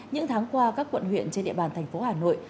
những tháng qua các quận huyện trên địa bàn thành phố hà nội